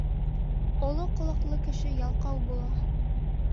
Оло ҡолаҡлы кеше ялҡау була.